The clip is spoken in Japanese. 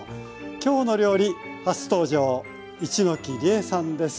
「きょうの料理」初登場一ノ木理恵さんです。